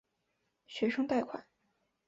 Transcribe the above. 学生贷款。